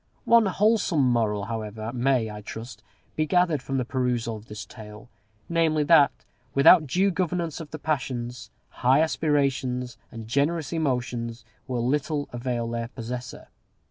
One wholesome moral, however, may, I trust, be gathered from the perusal of this Tale; namely, that, without due governance of the passions, high aspirations and generous emotions will little avail their possessor.